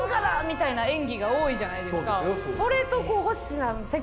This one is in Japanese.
みたいな演技が多いじゃないですか。